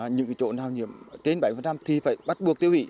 những chỗ nào nhiễm kênh bảy mươi thì phải bắt buộc tiêu vị